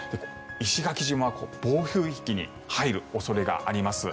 石垣島は暴風域に入る恐れがあります。